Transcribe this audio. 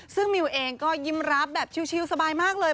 ซึ่งมิวเองก็ยิ้มรับแบบชิลสบายมากเลย